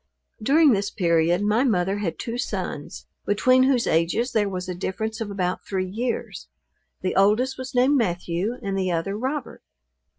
During this period my mother had two sons, between whose ages there was a difference of about three years: the oldest was named Matthew, and the other Robert.